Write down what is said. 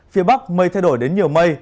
phía bắc mây thay đổi đến nhiều mây